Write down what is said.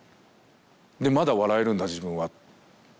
でまだ笑えるんだ自分は。